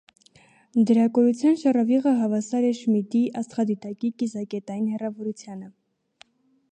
Դրա կորության շաոավիղը հավասար է շմիդի աստղադիտակի կիզակետային հեռավորությանը։